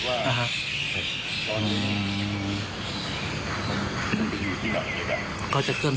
พอเข้าไปแล้วราชิการ